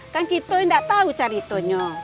kan kita nggak tahu ceritanya